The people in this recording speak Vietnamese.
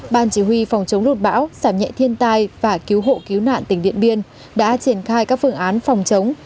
ban chỉ huy phòng chống lụt bão giảm nhẹ thiên tai và cứu hộ cứu nạn tỉnh điện biên đã triển khai các phương án phòng chống